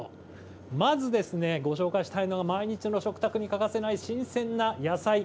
まずご紹介したいのが毎日の食卓に欠かせない新鮮な野菜。